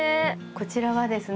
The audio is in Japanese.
こちらはですね